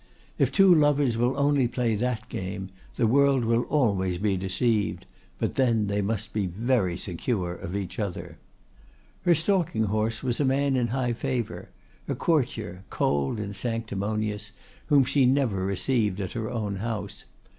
If two lovers will only play that game, the world will always be deceived; but then they must be very secure of each other. "Her stalking horse was a man in high favor, a courtier, cold and sanctimonious, whom she never received at her own house.